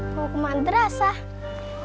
mau ke madrasah